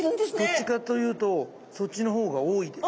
どっちかと言うとそっちの方が多いです。